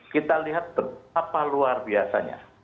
kita lihat betapa luar biasanya